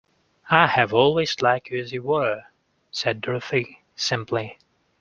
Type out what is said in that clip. "I have always liked you as you were," said Dorothy, simply.